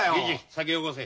酒よこせ。